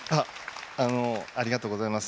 ありがとうございます。